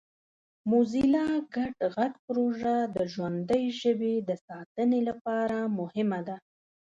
موزیلا ګډ غږ پروژه د ژوندۍ ژبې د ساتنې لپاره مهمه ده.